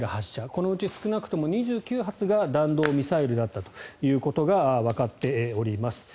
このうち少なくとも２９発が弾道ミサイルだったということがわかっております。